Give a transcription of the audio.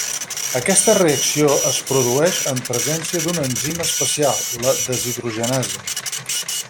Aquesta reacció es produeix en presència d'un enzim especial, la deshidrogenasa.